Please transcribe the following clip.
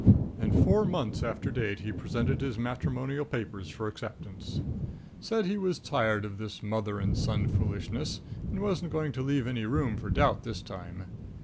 And four months after date he presented his matrimonial papers for acceptance. Said he was tired of this mother and son foolishness, and wasn't going to leave any room for doubt this time.